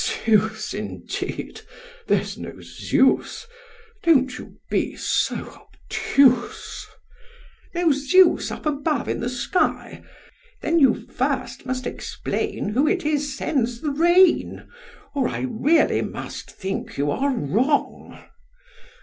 SOCR. Zeus indeed! there's no Zeus: don't you be so obtuse. STREPS. No Zeus up above in the sky? Then you first must explain, who it is sends the rain; or I really must think you are wrong.